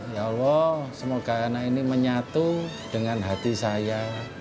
ya allah semoga anak ini menyatu dengan hati saya